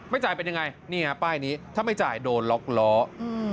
จ่ายเป็นยังไงนี่ฮะป้ายนี้ถ้าไม่จ่ายโดนล็อกล้ออืม